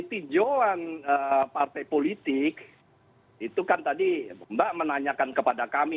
tinjauan partai politik itu kan tadi mbak menanyakan kepada kami